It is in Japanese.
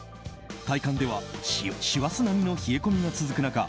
体感では師走並みの冷え込みが続く中